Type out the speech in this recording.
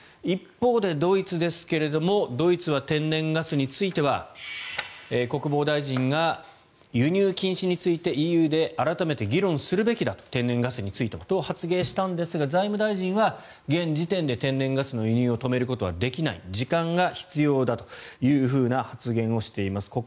一方でドイツですがドイツは天然ガスについては国防大臣が輸入禁止についてＥＵで改めて議論すべきだと天然ガスについてもと発言したんですが、財務大臣は現時点で天然ガスの輸入を止めることはできない時間が必要だという発言をしています。